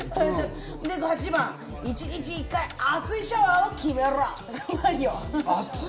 ８番、１日１回熱いシャワーをキメろ！